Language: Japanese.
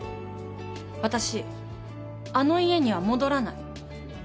私あの家には戻らない。